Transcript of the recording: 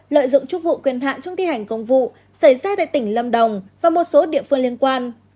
lợi dụng chức vụ quyền hạn trong thi hành công vụ xảy ra tại tỉnh lâm đồng và một số địa phương liên quan